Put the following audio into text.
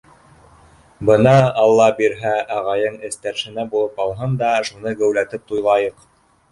Бына, алла бирһә, ағайың эстәршенә булып алһын да, шуны геүләтеп туйлайыҡ.